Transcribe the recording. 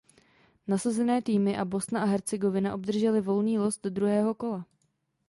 Nasazené týmy a Bosna a Hercegovina obdržely volný los do druhého kola.